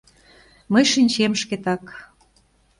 Мый шинчем шкетак.